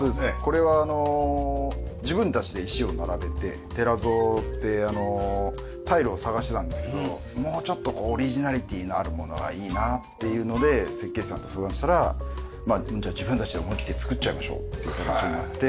これは自分たちで石を並べてテラゾーってタイルを探していたんですけどもうちょっとオリジナリティーのあるものがいいなっていうので設計士さんと相談したらじゃあ自分たちで思いきって作っちゃいましょうっていう形になって。